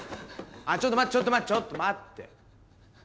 ちょっと待ってちょっと待ってちょっと待って。